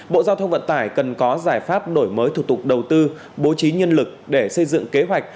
bộ giao thông vận tải cần có giải pháp đổi mới thủ tục đầu tư bố trí nhân lực để xây dựng kế hoạch